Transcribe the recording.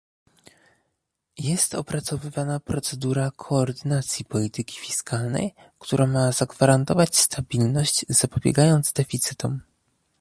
Jest opracowywana procedura koordynacji polityki fiskalnej, która ma zagwarantować stabilność, zapobiegając deficytom